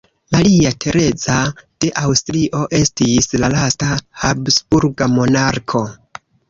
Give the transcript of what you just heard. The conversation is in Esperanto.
Maria Tereza de Aŭstrio estis la lasta habsburga monarko.